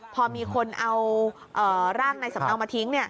พอมีคนเอาร่างในสำเนามาทิ้ง